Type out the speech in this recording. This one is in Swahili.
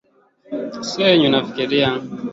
serikali yangu itaunda mikakati kuimarisha serikali yetu